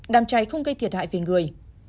đám cháy không gây thiệt hại về người